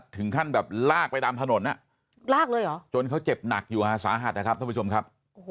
ถึงขั้นแบบลากไปตามถนนลากเลยเหรอจนเขาเจ็บหนักอยู่ฮะสาหัสนะครับท่านผู้ชมครับ